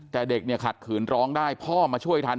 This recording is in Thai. แต่เด็กเนี่ยขัดขืนร้องได้พ่อมาช่วยทัน